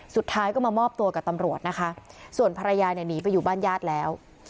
สุดท้ายก็มามอบตัวกับตำรวจนะคะส่วนภรรยาเนี่ยหนีไปอยู่บ้านญาติแล้ว